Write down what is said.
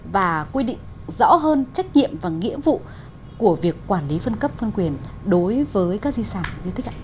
và quy định rõ hơn trách nhiệm và nghĩa vụ của việc quản lý phân cấp phân quyền đối với các di sản như thế này